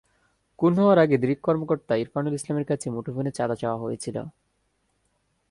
খুন হওয়ার আগে দৃক কর্মকর্তা ইরফানুল ইসলামের কাছে মুঠোফোনে চাঁদা চাওয়া হয়েছিল।